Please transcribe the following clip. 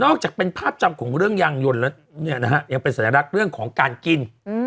จากเป็นภาพจำของเรื่องยางยนต์แล้วยังเป็นสัญลักษณ์เรื่องของการกิน